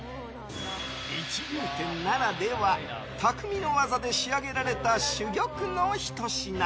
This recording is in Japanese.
一流店ならでは匠の技で仕上げられた珠玉のひと品。